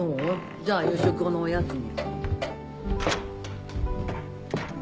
じゃあ夕食後のおやつに。